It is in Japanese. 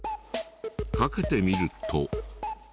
かけてみると。